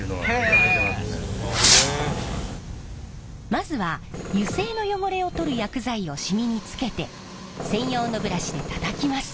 まずは油性の汚れを取る薬剤をしみにつけて専用のブラシでたたきます。